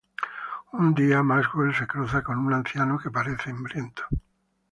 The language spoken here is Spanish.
Un día, Maxwell se cruza con un anciano que parece hambriento.